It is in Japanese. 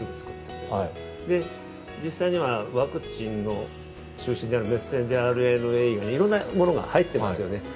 実際にはワクチンの中心であるメッセンジャーＲＮＡなどいろんなものが入っていますよね。